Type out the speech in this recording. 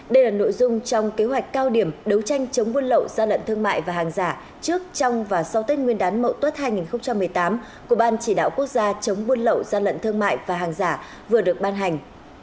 đây là nội dung trong kế hoạch cao điểm đấu tranh chống buôn lậu gian lận thương mại và hàng giả trước trong và sau tết nguyên đán mậu tuất hai nghìn một mươi tám của ban chỉ đạo quốc gia chống buôn lậu gian lận thương mại và hàng giả vừa được ban hành